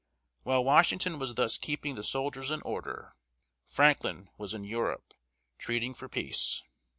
While Washington was thus keeping the soldiers in order, Franklin was in Europe, treating for peace.